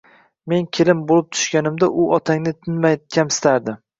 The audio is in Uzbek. Men kelin bo`lib tushganimda u otangni tinmay kamsitardi